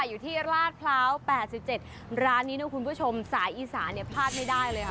อยู่ที่ราชพร้าว๘๗ร้านนี้นะคุณผู้ชมสายอีสานเนี่ยพลาดไม่ได้เลยค่ะ